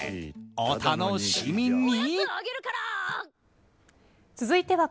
お楽しみに！